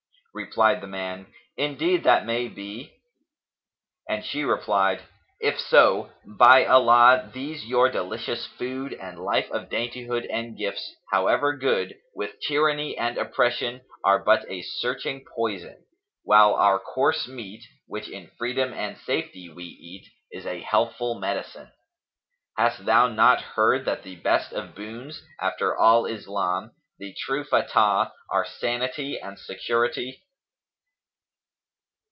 Replied the man, "Indeed that may be;" and she rejoined, "If so, by Allah, these your delicious food and life of daintyhood and gifts however good, with tyranny and oppression, are but a searching poison, while our coarse meat which in freedom and safety we eat is a healthful medicine. Hast thou not heard that the best of boons, after Al Islam, the true Faith, are sanity and security?"